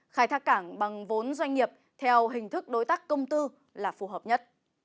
khai thác cảng bằng vốn doanh nghiệp theo hình thức đối tác công tư là phù hợp nhất